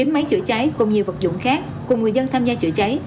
chín máy chữa cháy cùng nhiều vật dụng khác cùng người dân tham gia chữa cháy